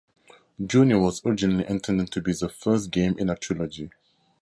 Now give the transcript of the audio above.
"Journey" was originally intended to be the first game in a trilogy.